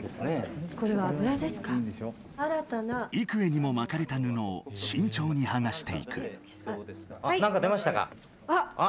幾重にも巻かれた布を慎重に剥がしていく。